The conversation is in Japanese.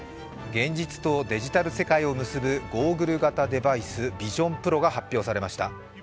現実とデジタル世界を結ぶゴーグル型デバイスＶｉｓｉｏｎＰｒｏが発表されました。